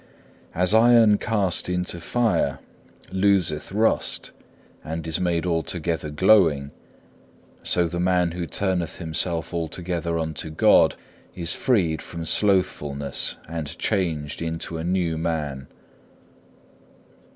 As iron cast into the fire loseth rust and is made altogether glowing, so the man who turneth himself altogether unto God is freed from slothfulness and changed into a new man.